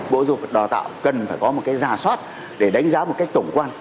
bộ giáo dục đào tạo cần phải có một cái gia soát để đánh giá một cách tổng quan